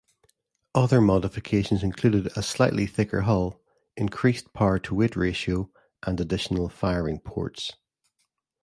Other modifications included a slightly thicker hull, increased power-to-weight ratio, and additional firing ports.